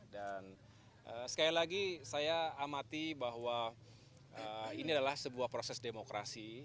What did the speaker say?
dan sekali lagi saya amati bahwa ini adalah sebuah proses demokrasi